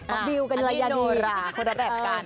อันนี้โนราคนละแบบกัน